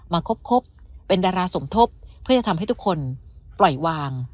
คบเป็นดาราสมทบเพื่อจะทำให้ทุกคนปล่อยวาง